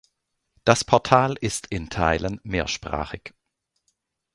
Das Portal ist in Teilen mehrsprachig.